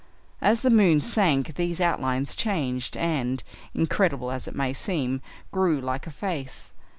As the moon sank, these outlines changed and, incredible as it may seem, grew like a face.